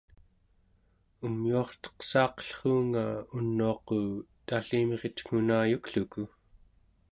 umyuarteqsaaqellruunga unuaqu tallimiritngunayukluku